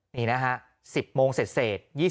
นี่นะฮะ๑๐โมงเสร็จ